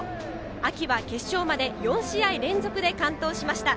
秋は決勝まで４試合連続で完投しました。